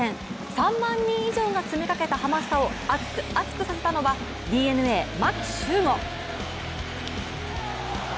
３万人以上が詰めかけたハマスタを熱く熱くさせたのはＤｅＮＡ・牧秀悟。